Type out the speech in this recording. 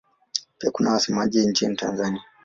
Pia kuna wasemaji nchini Tanzania.